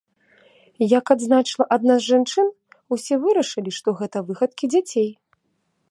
Як адзначыла адна з жанчын, усе вырашылі, што гэта выхадкі дзяцей.